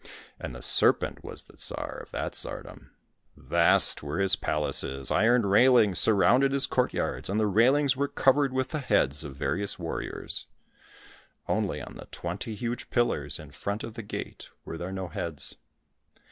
And the serpent was the Tsar of that tsardom. Vast were his palaces, iron railings sur rounded his courtyards, and the railings were covered with the heads of various warriors ; only on the twenty huge pillars in front of the gate were there no heads.